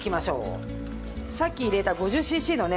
さっき入れた５０シーシーのね